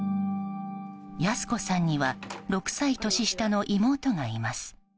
やす子さんには６歳年下の妹がいます。